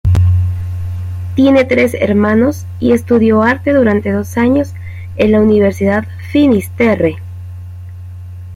Tiene tres hermanos y estudió Arte durante dos años en la Universidad Finis Terrae.